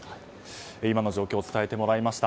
今の状況を伝えてもらいました。